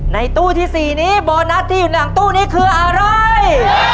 ในตู้ที่๔นี้โบนัสที่อยู่หลังตู้นี้คืออะไร